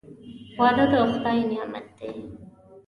• واده د خدای نعمت دی.